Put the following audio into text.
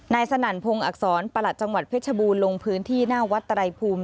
สนั่นพงศ์อักษรประหลัดจังหวัดเพชรบูรณ์ลงพื้นที่หน้าวัดไตรภูมิ